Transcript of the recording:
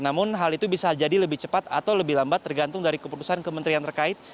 namun hal itu bisa jadi lebih cepat atau lebih lambat tergantung dari keputusan kementerian terkait